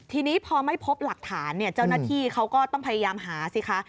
ทีนี้พอไม่พบหลักฐานเนี่ยเจ้าหน้าที่เขาก็ต้องพยายามหาสิคะ